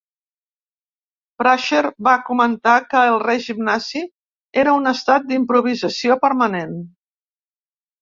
Bracher va comentar que el règim Nazi "era un estat d'improvisació permanent".